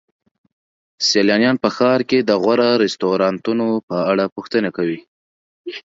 سیلانیان په ښار کې د غوره رستورانتونو په اړه پوښتنه کوي.